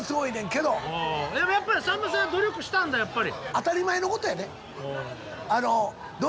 でもやっぱりさんまさん努力したんだやっぱり。